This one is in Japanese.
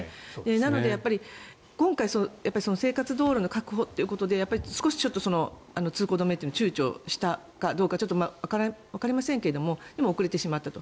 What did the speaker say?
なので、今回生活道路の確保ということで少し、通行止めに躊躇したかちょっとわかりませんがでも、遅れてしまったと。